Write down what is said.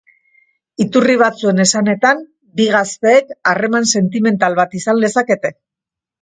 Iturri batzuen esanetan, bi gazteek harreman sentimental bat izan lezakete.